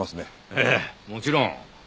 ええもちろん。